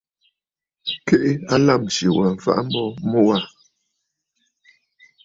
Keʼe lâmsì wa mfa a mbo mu wâ.